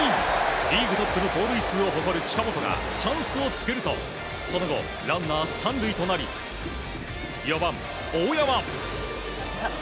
リーグトップの盗塁数を誇る近本がチャンスを作るとその後、ランナー３塁となり４番、大山。